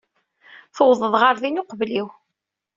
Tuwḍeḍ ɣer din uqbel-iw.